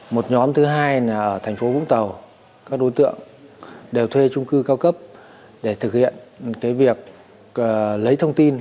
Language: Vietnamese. một nhóm thứ hai là ở thành phố vũng tàu các đối tượng đều thuê trung cư cao cấp để thực hiện việc lấy thông tin